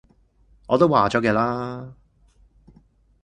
我都話咗嘅啦